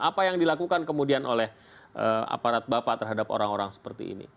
apa yang dilakukan kemudian oleh aparat bapak terhadap orang orang seperti ini